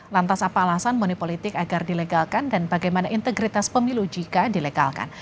lantas apa alasan monipolitik agar dilegalkan dan bagaimana integritas pemilu jika dilegalkan